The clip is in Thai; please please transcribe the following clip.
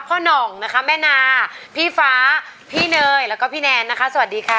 หน่องนะคะแม่นาพี่ฟ้าพี่เนยแล้วก็พี่แนนนะคะสวัสดีค่ะ